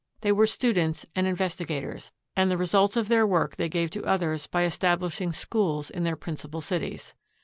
They were students and investi gators, and the results of their work they gave to others by establishing schools in their principal cities.